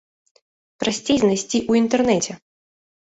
Прасцей знайсці ў інтэрнеце.